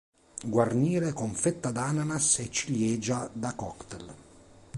Guarnire con fetta d'ananas e ciliegia da cocktail.